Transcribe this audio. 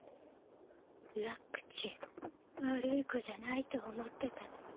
ラックちん悪い子じゃないと思ってたのに。